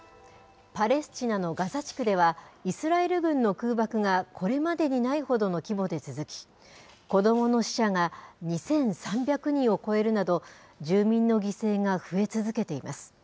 パレスチナのガザ地区では、イスラエル軍の空爆がこれまでにないほどの規模で続き、子どもの死者が２３００人を超えるなど、住民の犠牲が増え続けています。